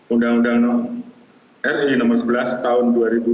undang undang ri nomor sebelas tahun dua ribu dua puluh